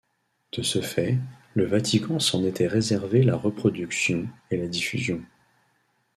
De ce fait, le Vatican s'en était réservé la reproduction et la diffusion.